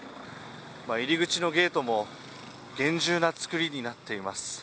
入り口のゲートも厳重なつくりになっています。